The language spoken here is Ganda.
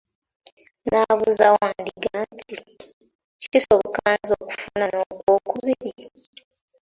N'abuuza Wandiga nti, kisoboka nze okufuna n'okwokubiri?